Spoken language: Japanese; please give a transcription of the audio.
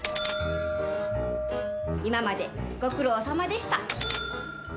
今までご苦労さまでした。